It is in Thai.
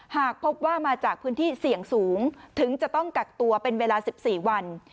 หากพบว่ามาจากพื้นที่เสี่ยงสูงถึงจะต้องกักตัวเป็นเวลา๑๔วัน